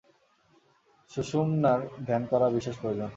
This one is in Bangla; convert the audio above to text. সুষুম্নার ধ্যান করা বিশেষ প্রয়োজন।